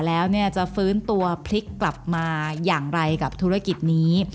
แล้วจะฟื้นตัวพลิกกลับมาอย่างไรกับธุรกิจนี้